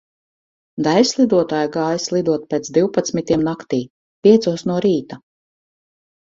Daiļslidotāji gāja slidot pēc divpadsmitiem naktī, piecos no rīta.